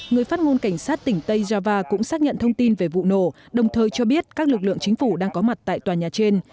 người phát ngôn cảnh sát tỉnh tây java cũng xác nhận thông tin về vụ nổ đồng thời cho biết các lực lượng chính phủ đang có mặt tại tòa nhà trên